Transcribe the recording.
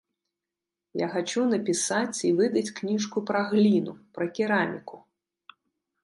Я хачу напісаць і выдаць кніжку пра гліну, пра кераміку.